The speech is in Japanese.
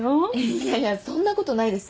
いやいやそんなことないです